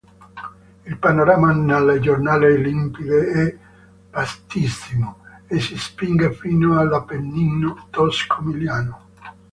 Il panorama nelle giornate limpide è vastissimo e si spinge fino all'Appennino Tosco-Emiliano.